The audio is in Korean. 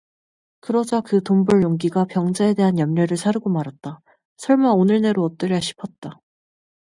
그러자 그 돈벌 용기가 병자에 대한 염려를 사르고 말았다. 설마 오늘 내로 어떠랴 싶었다.